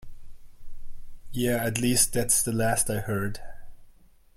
Yeah, at least that's the last I heard.